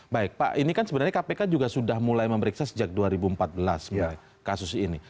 baik pak ini kan sebenarnya kpk juga sudah mulai memeriksa sejak dua ribu empat belas kasus ini